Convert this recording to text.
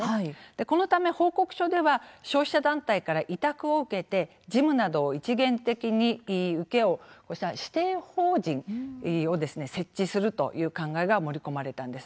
このため報告書では消費者団体から委託を受けて事務などを一元的に請け負う指定法人を設置するという考えが盛り込まれたんです。